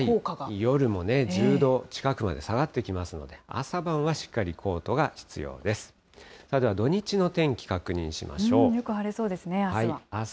夜も１０度近くまで下がってきますので、朝晩はしっかりコートが必要です。